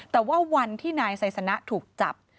แต่ว่าวันที่นายไซสนะถูกจับ